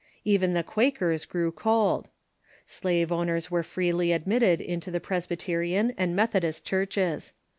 Even the Quakers grew cold. Slave owners were freely admitted into the Presbyterian and Methodist Churches.